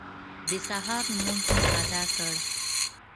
د سهار لمونځ مو اداء کړ.